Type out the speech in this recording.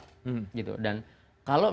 tentu saja ini akan kami tolak